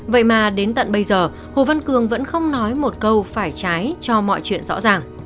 vậy mà đến tận bây giờ hồ văn cường vẫn không nói một câu phải trái cho mọi chuyện rõ ràng